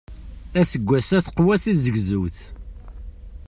Aseggas-a teqwa tizegzewt.